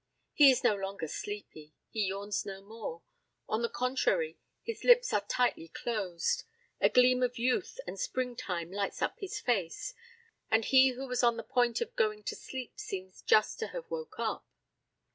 He is no longer sleepy; he yawns no more. On the contrary, his lips are tightly closed; a gleam of youth and spring time lights up his face; and he who was on the point of going to sleep seems just to have woke up.